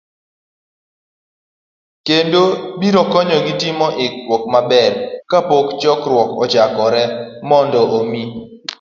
kendo, biro konyogi timo ikruok maber kapok chokruok ochakore, mondo omi